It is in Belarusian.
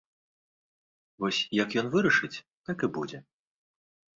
Вось як ён вырашыць, так і будзе.